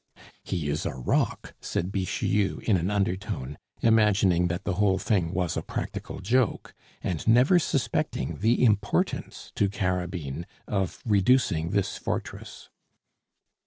"He is a rock!" said Bixiou in an undertone, imagining that the whole thing was a practical joke, and never suspecting the importance to Carabine of reducing this fortress.